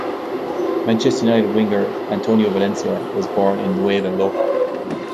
Manchester United winger Antonio Valencia was born in Nueva Loja.